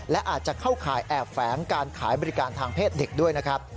และอาจจะเข้าข่ายแอบแฝงการขายบริการทางเพศเด็กด้วยนะครับ